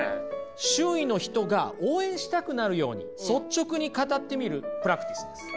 周囲の人が応援したくなるように率直に語ってみるプラクティスです。